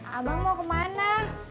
abang mau kemana